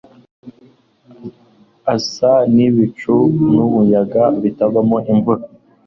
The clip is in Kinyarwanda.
asa n'ibicu n'umuyaga bitavamo imvura